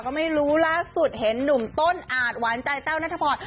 ก็ไม่รู้ล่าสุดเห็นหนุ่มต้นอาจหวานใจแต้วนัทพร